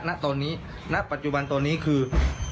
ณตอนนี้ณปัจจุบันตอนนี้คือ